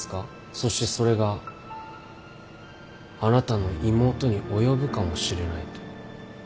そしてそれがあなたの妹に及ぶかもしれないと。